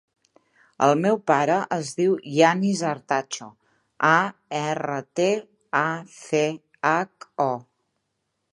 El meu pare es diu Yanis Artacho: a, erra, te, a, ce, hac, o.